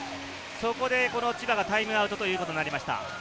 そこで千葉がタイムアウトということになりました。